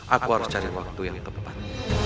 aku harus cari waktu yang tepat